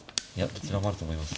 どちらもあると思います。